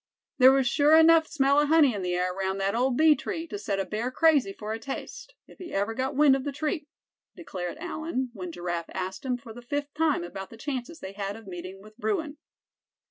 "There was sure enough smell of honey in the air around that old bee tree to set a bear crazy for a taste, if he ever got wind of the treat," declared Allan, when Giraffe asked him for the fifth time about the chances they had of meeting with Bruin.